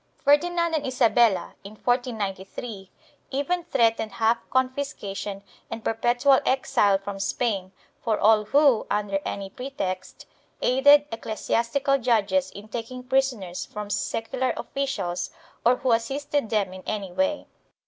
Ferdinand and Isabella, in 1493, even threatened half confiscation and perpetual exile \ from Spain for all who, under any pretext, aided ecclesias * tical judges in taking prisoners from secular officials or who assisted them in any way.